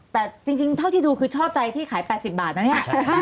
แต่จริงเท่าที่ดูคือชอบใจที่ขาย๘๐บาทนะเนี่ย